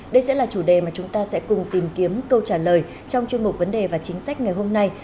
đây sẽ là chủ đề mà chúng ta sẽ cùng tìm kiếm câu trả lời trong chuyên mục vấn đề và chính sách ngày hôm nay